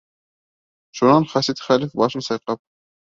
Шунан Хәсид хәлиф, башын сайҡап: